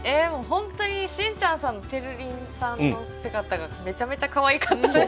本当に信ちゃんさんのてるりんさんの姿がめちゃめちゃかわいかった。